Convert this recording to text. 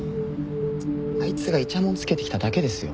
あいつがいちゃもんつけてきただけですよ。